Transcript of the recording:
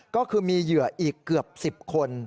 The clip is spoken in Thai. ก็คือมีเหยื่ออีกเกือบ๑๐คน